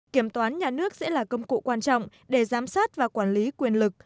kiểm toán nhà nước sẽ là công cụ quan trọng để giám sát và quản lý quyền lực